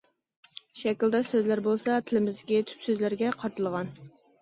شەكىلداش سۆزلەر بولسا تىلىمىزدىكى تۈپ سۆزلەرگە قارىتىلغان.